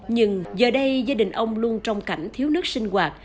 nhưng giờ đây gia đình ông luôn trong cảnh thiếu nước sinh hoạt